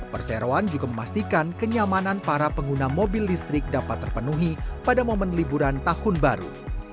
perseroan juga memastikan kenyamanan para pengguna mobil listrik dapat terpenuhi pada momen liburan tahun baru